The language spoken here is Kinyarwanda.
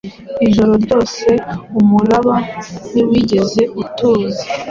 Ijoro ryose umuraba ntiwigeze utuza